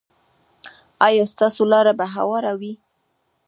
ایا ستاسو لاره به هواره وي؟